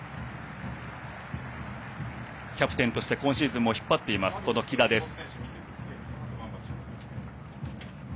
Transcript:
キャプテンとして今シーズンも引っ張っています喜田です。